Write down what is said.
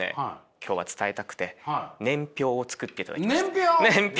今日は伝えたくて年表を作っていただきました。年表！？